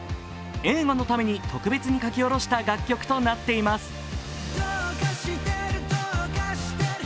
映画のために特別に書き下ろした楽曲となっています。